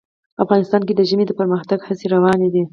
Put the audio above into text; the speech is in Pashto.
افغانستان کې د ژمی د پرمختګ هڅې روانې دي.